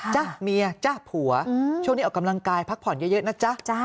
เมียจ๊ะผัวช่วงนี้ออกกำลังกายพักผ่อนเยอะนะจ๊ะ